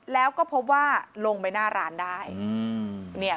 แล้วก็พบว่าลงไปหน้าร้านได้